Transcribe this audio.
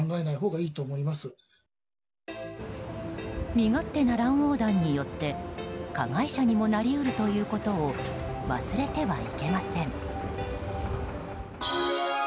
身勝手な乱横断によって加害者にもなり得るということを忘れてはいけません。